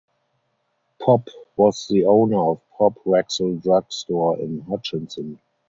Popp was the owner of Popp Rexall Drug Store in Hutchinson.